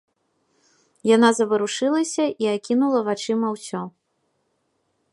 Яна заварушылася і акінула вачыма ўсё.